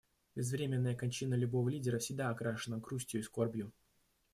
Безвременная кончина любого лидера всегда окрашена грустью и скорбью.